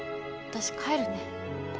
私帰るね。